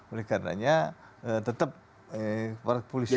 oleh karenanya tetap para kepolisian